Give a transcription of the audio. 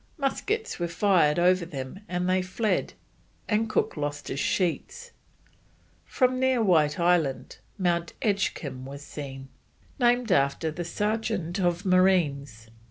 Muskets were fired over them and they fled, and Cook lost his sheets. From near White Island, Mount Edgecombe was seen, named after the sergeant of marines.